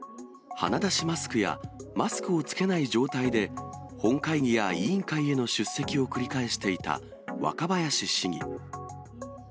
鼻出しマスクや、マスクを着けない状態で、本会議や委員会への出席を繰り返していた若林市議。